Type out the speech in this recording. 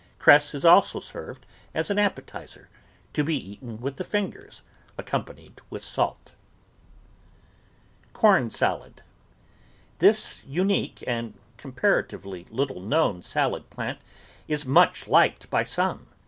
Cress is also served as an appetiser, to be eaten with the fingers, accompanied with salt. CORN SALAD This unique and comparatively little known salad plant is much liked by some.